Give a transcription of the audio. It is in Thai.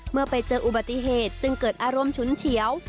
เมื่อไปเจออุบัติเหตุจึงเกิดอารมณ์ฉุนเฉียว